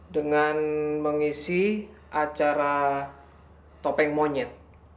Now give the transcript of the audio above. dengan mengisi acara topeng monyet